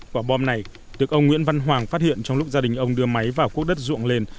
quả bom này được ông nguyễn văn hoàng phát hiện trong lúc gia đình ông đưa máy vào cuốt đất ruộng lên